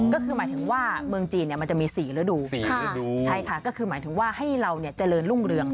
ก็คือหมายถึงว่าเมืองจีนมันจะมี๔ฤดู๔ฤดูใช่ค่ะก็คือหมายถึงว่าให้เราเจริญรุ่งเรือง